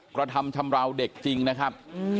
กระทำชำราวเด็กจริงนะครับ